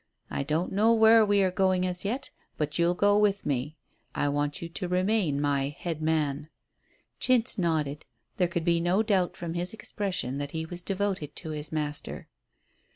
"I don't know where we are going as yet. But you'll go with me. I want you to remain my 'head man.'" Chintz nodded. There could be no doubt from his expression that he was devoted to his master.